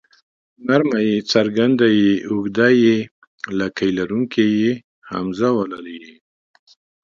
نرمه ی څرګنده ي اوږده ې لکۍ لرونکې ۍ همزه واله ئ